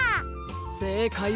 せいかいは。